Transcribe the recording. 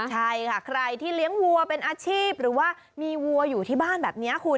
ใช่ค่ะใครที่เลี้ยงวัวเป็นอาชีพหรือว่ามีวัวอยู่ที่บ้านแบบนี้คุณ